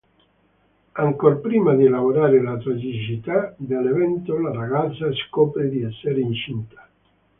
Ancor prima di elaborare la tragicità dell'evento, la ragazza scopre di essere incinta.